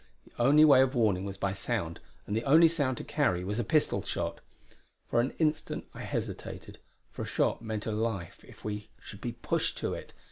The only way of warning was by sound, and the only sound to carry was a pistol shot. For an instant I hesitated, for a shot meant a life if we should be pushed to it.